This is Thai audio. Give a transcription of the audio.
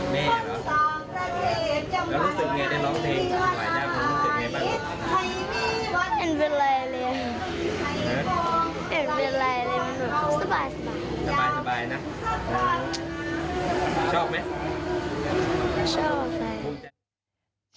แล้วรู้สึกอย่างไรได้รองเตงหลายดำรู้สึกอย่างไรบ้าง